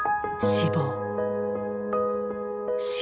「死亡」。